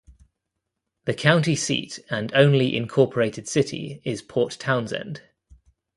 The county seat and only incorporated city is Port Townsend.